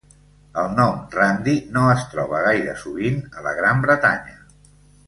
El nom Randy no es troba gaire sovint a la Gran Bretanya.